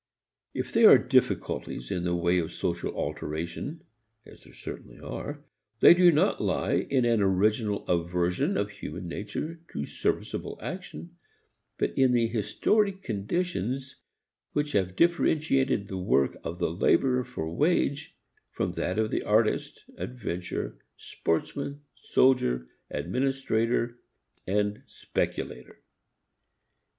If there are difficulties in the way of social alteration as there certainly are they do not lie in an original aversion of human nature to serviceable action, but in the historic conditions which have differentiated the work of the laborer for wage from that of the artist, adventurer, sportsman, soldier, administrator and speculator.